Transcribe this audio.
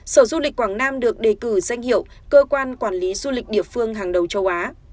sở du lịch quảng nam được đề cử danh hiệu cơ quan quản lý du lịch địa phương hàng đầu châu á